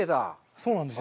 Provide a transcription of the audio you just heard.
そうなんですよ。